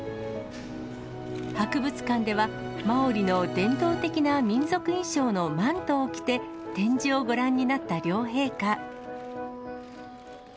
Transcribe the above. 博物館ではマオリの伝統的な民族衣装のマントを着て、展示をご覧になった両陛下。